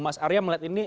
mas arya melihat ini